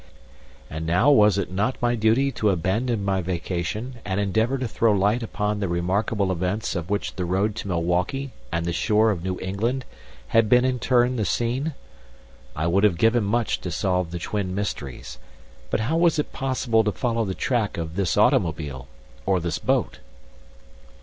And now was it not my duty to abandon my vacation, and endeavor to throw light upon the remarkable events of which the road to Milwaukee and the shore of New England had been in turn the scene? I would have given much to solve the twin mysteries, but how was it possible to follow the track of this automobile or this boat?